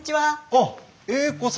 あっ栄子さん！